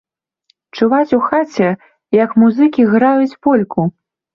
Чуваць у хаце, як музыкі граюць польку.